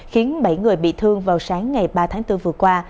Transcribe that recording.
khiến bảy người bị thương vào sáng ngày ba tháng bốn vừa qua